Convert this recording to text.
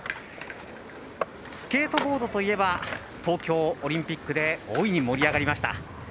スケートボードといえば東京オリンピックで大いに盛り上がりました。